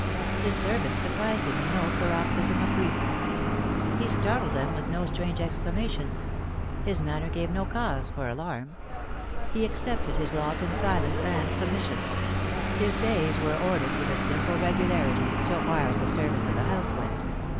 His servants surprised him in no paroxysm of grief. He startled them with no strange exclama tions. His manner gave no cause for alarm. He accepted hia lot in silence and submission. His days were ordered with a simple regularity, so far as the service of the house went.